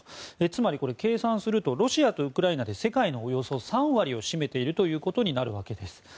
つまり計算するとロシアとウクライナで世界のおよそ３割を占めていることになるわけです。